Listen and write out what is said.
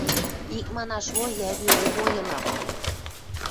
— Икманаш, ой, ӓви, Овой ылам.